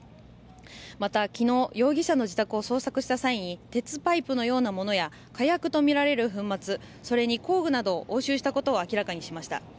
また、昨日容疑者の自宅を捜索した際に鉄パイプのようなものや火薬とみられる粉末それに工具などを押収したことを明らかにしました。